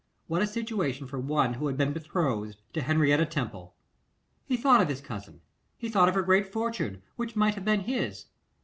What a situation for one who had been betrothed to Henrietta Temple! He thought of his cousin, he thought of her great fortune, which might have been his.